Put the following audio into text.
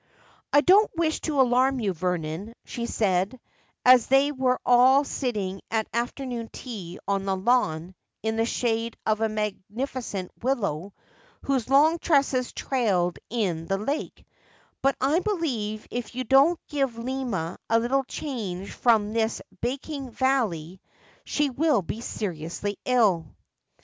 ' 1 don't wish to alarm you, Vernon,' she said, as they were all sitting at afternoon tea on the lawn, in the shade of a mag nificent willow, whose long tresses trailed in the lake ;' but I believe if you don't give Lina a little change from this baking valley, she will be seriously ill.'